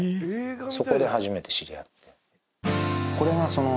そこで初めて知り合って。